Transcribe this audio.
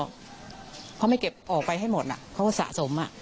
เขาไม่เก็บออกไปให้หมดอ่ะเขาสะสมอ่ะ